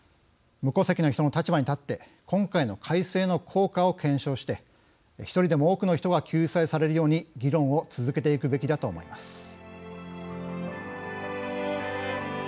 無戸籍の人の立場に立って今回の改正の効果を検証して１人でも多くの人が救済されるように、議論を続けていくべきだと思います。